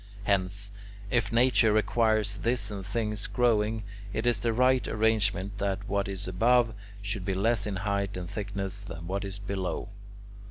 Hence, if nature requires this in things growing, it is the right arrangement that what is above should be less in height and thickness than what is below.